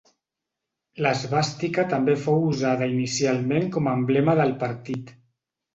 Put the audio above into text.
L'esvàstica també fou usada inicialment com a emblema del partit.